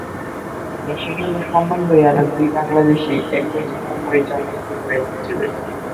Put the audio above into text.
দেশের জন্যে সম্মান বয়ে আনা দুই বাংলাদেশি একই সময় জাপান সফরে এসেছিলেন।